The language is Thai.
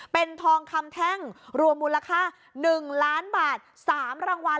เป็นทองคำแท่งรวมมูลค่า๑ล้านบาท๓รางวัล